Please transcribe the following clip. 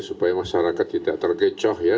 supaya masyarakat tidak terkecoh ya